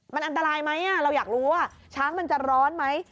มันอันตรายไหมเราอยากรู้ว่าช้างมันจะร้อนไหม